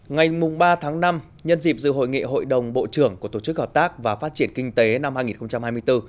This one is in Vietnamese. ngày ba tháng năm nhân dịp dự hội nghị hội đồng bộ trưởng của tổ chức hợp tác và phát triển kinh tế năm hai nghìn hai mươi bốn